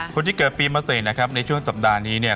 คนที่เกิดปีม๔นะครับในช่วงสัปดาห์นี้เนี่ย